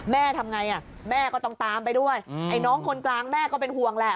ทำไงอ่ะแม่ก็ต้องตามไปด้วยไอ้น้องคนกลางแม่ก็เป็นห่วงแหละ